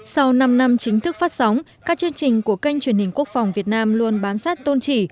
sau năm năm chính thức phát sóng các chương trình của kênh truyền hình quốc phòng việt nam luôn bám sát tôn trị